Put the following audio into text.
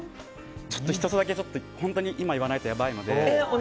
１つだけ本当に今、言わないとやばいので。